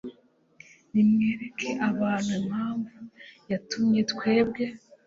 Nimwereke abantu impamvu yatumye twebwe